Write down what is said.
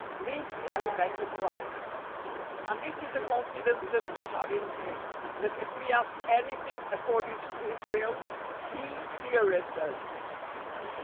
Links in Rebecca's Life. " And this is the confidence that we have in him, that, if we ask anything according to his will, he heareth us."